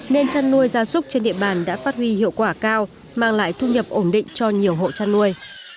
nên chăn nuôi gia súc trên địa bàn đã phát huy hiệu quả cao mang lại thu nhập ổn định cho nhiều hộ chăn nuôi